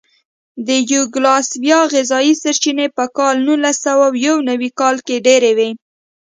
د یوګوسلاویا غذایي سرچینې په کال نولسسوهیونوي کال کې ډېرې وې.